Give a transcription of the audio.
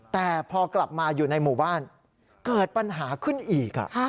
แต่พอกลับมาอยู่ในหมู่บ้านเกิดปัญหาขึ้นอีก